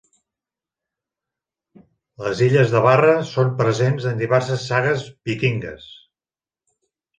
Les Illes de Barra són presents en diverses sagues vikingues.